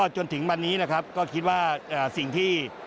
จนถึงวันนี้นะครับก็คิดว่าสิ่งที่